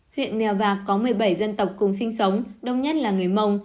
huyện mèo vạc có một mươi bảy dân tộc cùng sinh sống đông nhất là người mông